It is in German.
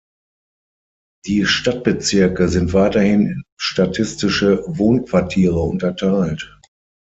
Die Stadtbezirke sind weiterhin in statistische Wohnquartiere unterteilt.